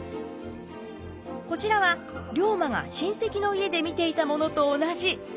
こちらは龍馬が親戚の家で見ていたものと同じ世界地図。